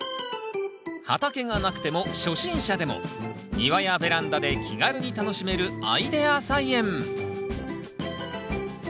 畑がなくても初心者でも庭やベランダで気軽に楽しめるアイデア菜園。